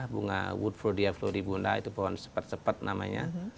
bunga woodfordia floribunda itu pohon sepet sepet namanya